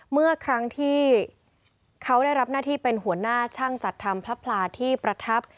เมื่อครั้งที่เขาได้รับหน้าที่เป็นหัวหน้าช่างจัดทำพระพลาที่ประทับ